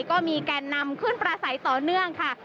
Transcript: ก็มีแกนนำขึ้นประสัยต่อเนื่องค่ะ